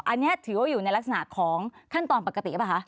อันนี้ถือว่าอยู่ในลักษณะของขั้นตอนปกติหรือเปล่าคะ